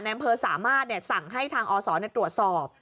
อำเภอสามารถสั่งให้ทางอศตรวจสอบ